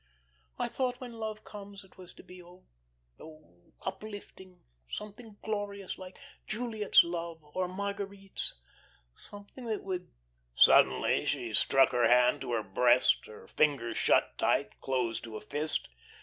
I thought when love came it was to be oh, uplifting, something glorious like Juliet's love or Marguerite's. Something that would " Suddenly she struck her hand to her breast, her fingers shut tight, closing to a fist.